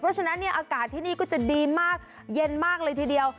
เพราะฉะนั้นเนี่ยอากาศที่นี่ก็จะดีมากเย็นมากเลยทีเดียว